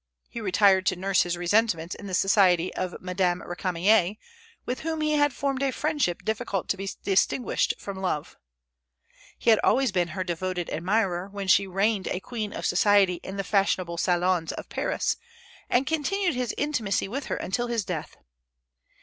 He retired to nurse his resentments in the society of Madame Récamier, with whom he had formed a friendship difficult to be distinguished from love. He had been always her devoted admirer when she reigned a queen of society in the fashionable salons of Paris, and continued his intimacy with her until his death.